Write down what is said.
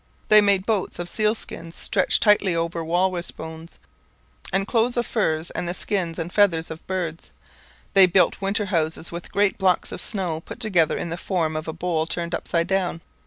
They made boats of seal skins stretched tight over walrus bones, and clothes of furs and of the skins and feathers of birds. They built winter houses with great blocks of snow put together in the form of a bowl turned upside down.